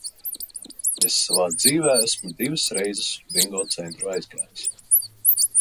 Es savā dzīvē esmu divas reizes uz Bingo centru aizgājis.